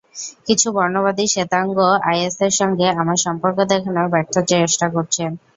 কিছু বর্ণবাদী শ্বেতাঙ্গ আইএসের সঙ্গে আমার সম্পর্ক দেখানোর ব্যর্থ চেষ্টা করছেন।